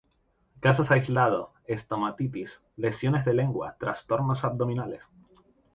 Casos aislados: Estomatitis, lesiones de lengua, trastornos abdominales.